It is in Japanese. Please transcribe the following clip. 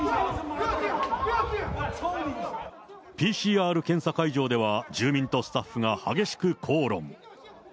ＰＣＲ検査会場では住民とスタッフが激しく口論。